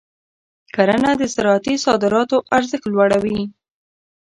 کرنه د زراعتي صادراتو ارزښت لوړوي.